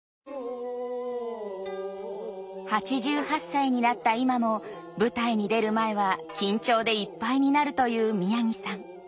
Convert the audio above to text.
８８歳になった今も舞台に出る前は緊張でいっぱいになるという宮城さん。